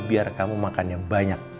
biar kamu makan yang banyak